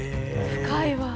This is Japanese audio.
深いわ。